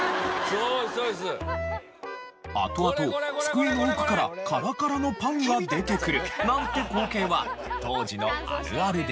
あとあと机の奥からカラカラのパンが出てくるなんて光景は当時のあるあるでした。